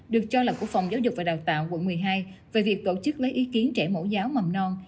được cho là của phòng giáo dục và đào tạo quận một mươi hai về việc tổ chức lấy ý kiến trẻ mẫu giáo mầm non